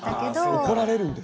あ怒られるんですか。